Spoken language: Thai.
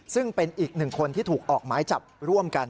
ซึ่งเป็นอีกหนึ่งคนที่ถูกออกหมายจับร่วมกัน